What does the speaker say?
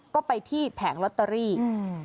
ก็ไปที่แผงลอตเตอรี่อืม